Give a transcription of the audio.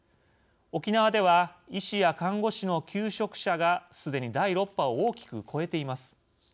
沖縄では医師や看護師の休職者がすでに第６波を大きく超えています。